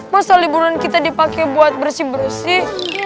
masa liburan kita dipakai buat bersih bersih